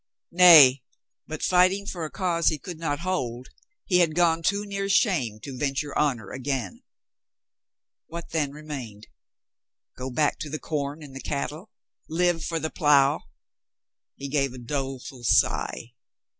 Nay, but fighting for a cause he could not hold, he had gone too near shame to venture honor again. What then remained? Go back to the corn and the cattle, live for the plow. He gave a doleful sigh.